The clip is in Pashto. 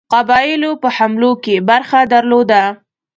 قبایلو په حملو کې برخه درلوده.